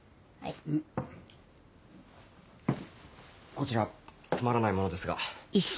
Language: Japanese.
こちらつまらないものですが。